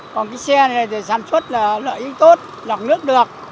còn cái xe này thì sản xuất là lợi ích tốt lọc nước được